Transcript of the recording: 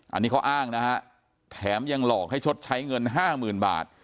อันนี้เขาอ้างนะฮะแถมยังหลอกให้ชดใช้เงิน๕๐๐๐บาท